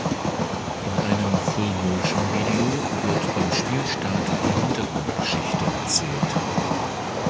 In einem Full Motion Video wird beim Spielstart die Hintergrundgeschichte erzählt.